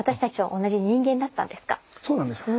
そうなんですよ。